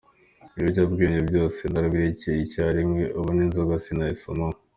Ibyo biyobyabwenge byose nabirekeye icya rimwe, ubu n’inzoga sinayisomaho.